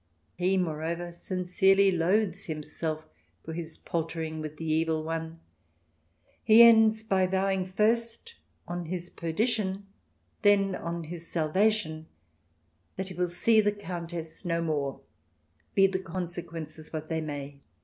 He, moreover, sincerely loathes himself for his paltering with the evil one. He ends by vowing first on his perdition, then on his salvation, that he will see the Countess no more, be the consequences what they may.